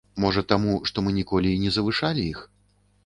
Можа таму, што мы ніколі і не завышалі іх?